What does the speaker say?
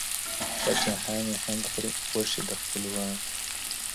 پاچاهان یې هم خوري غوښي د خپلوانو.!